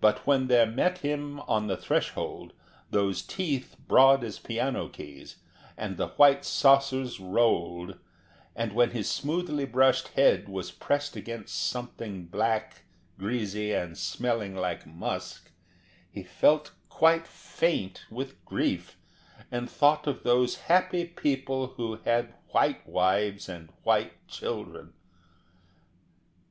But when there met him on the threshold those teeth broad as piano keys, and the white saucers rolled, and when his smoothly brushed head was pressed against something black, greasy, and smelling like musk, he felt quite faint with grief, and thought of those happy people who had white wives and white children.